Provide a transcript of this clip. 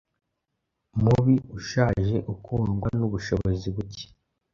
mubi ushaje ukundwa nubushobozi buke.